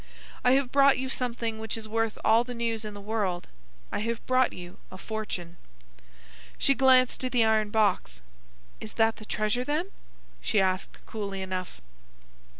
"I have brought you something which is worth all the news in the world. I have brought you a fortune." She glanced at the iron box. "Is that the treasure, then?" she asked, coolly enough.